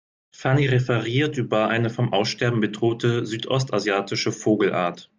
Fanny referiert über eine vom Aussterben bedrohte südostasiatische Vogelart.